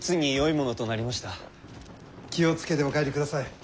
気を付けてお帰りくだされ。